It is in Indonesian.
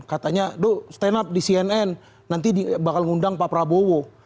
katanya doh stand up di cnn nanti bakal ngundang pak prabowo